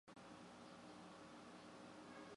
所有的角龙类恐龙在白垩纪末期灭绝。